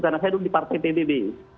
karena saya dulu di partai tbb